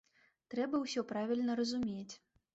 Трэба ўсё правільна разумець.